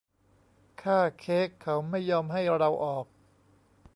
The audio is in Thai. ค่าเค้กเขาไม่ยอมให้เราออก